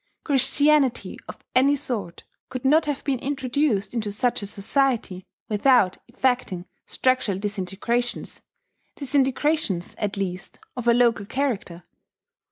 Christianity of any sort could not have been introduced into such a society without effecting structural disintegrations, disintegrations, at least, of a local character.